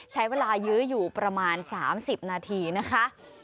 ใช้เวลายื้ออยู่ประมาณ๓๐นาทีนะคะ